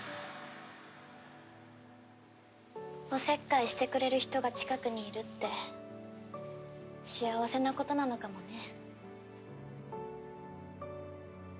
おせっかいしてくれる人が近くにいるって幸せなことなのかもね。